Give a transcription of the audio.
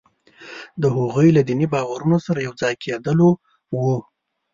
د هغوی له دیني باورونو سره یو ځای کېدلو وو.